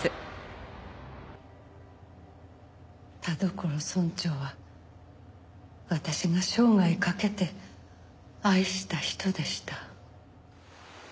田所村長は私が生涯かけて愛した人でした。